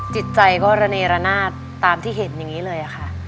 จิตใจก็ระเนรนาศตามที่เห็นอย่างนี้เลยค่ะ